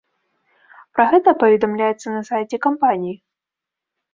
Пра гэта паведамляецца на сайце кампаніі.